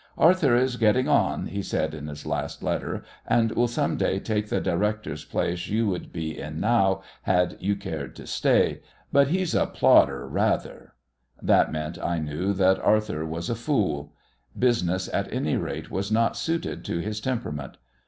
"Arthur is getting on," he said in his last letter, "and will some day take the director's place you would be in now had you cared to stay. But he's a plodder, rather." That meant, I knew, that Arthur was a fool. Business, at any rate, was not suited to his temperament.